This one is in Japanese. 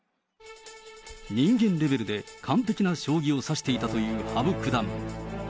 人間レベルで完璧な将棋を指していたという羽生九段。